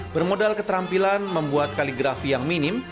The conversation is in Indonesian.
bermodal keterampilan membuat kaligrafi yang minim